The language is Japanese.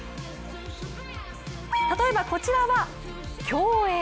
例えばこちらは、競泳。